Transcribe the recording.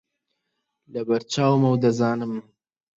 لەبەر چاومە و دەزانم